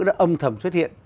đã âm thầm xuất hiện